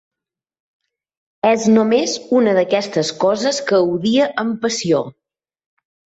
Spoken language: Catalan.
És només una d'aquestes coses que odia amb passió.